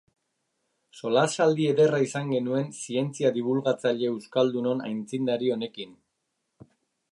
Solasaldi ederra izan genuen zientzia dibulgatzaile euskaldunon aitzindari honekin.